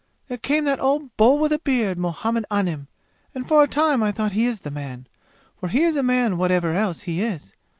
"There came that old Bull with a beard, Muhammad Anim, and for a time I thought he is the man, for he is a man whatever else he is.